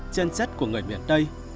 chân chất của người miền tây